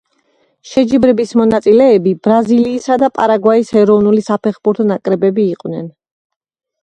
შეჯიბრების მონაწილეები ბრაზილიისა და პარაგვაის ეროვნული საფეხბურთო ნაკრებები იყვნენ.